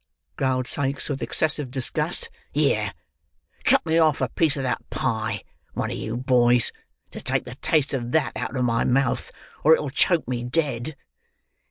growled Sikes, with excessive disgust. "Here! Cut me off a piece of that pie, one of you boys, to take the taste of that out of my mouth, or it'll choke me dead."